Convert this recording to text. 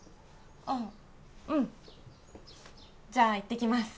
あっうんじゃあ行ってきます